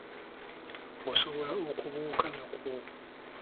Nsobola okubuuka nagwo.